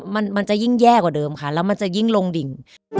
มันมันจะยิ่งแย่กว่าเดิมค่ะแล้วมันจะยิ่งลงดิ่ง